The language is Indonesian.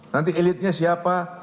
nanti elitnya siapa